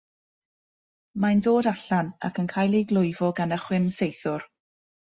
Mae'n dod allan ac yn cael ei glwyfo gan y chwimsaethwr.